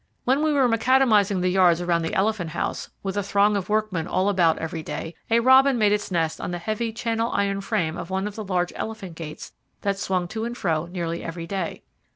When we were macadamizing the yards around the Elephant House, with a throng of workmen all about every day, a robin made its nest on the heavy channel iron frame of one of the large elephant gates that swung to and fro nearly every day.